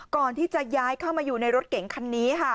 ก่อนที่จะย้ายเข้ามาอยู่ในรถเก๋งคันนี้ค่ะ